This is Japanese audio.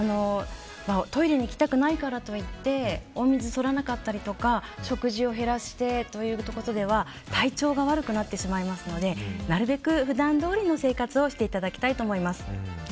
トイレに行きたくないからといってお水、とらなかったり食事を減らすと体調が悪くなってしまいますのでなるべく普段どおりの生活をしていただきたいと思います。